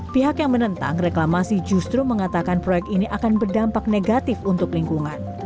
pihak yang menentang reklamasi justru mengatakan proyek ini akan berdampak negatif untuk lingkungan